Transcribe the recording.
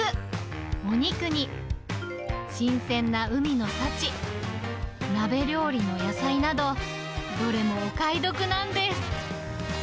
お肉に、新鮮な海の幸、鍋料理の野菜など、どれもお買い得なんです。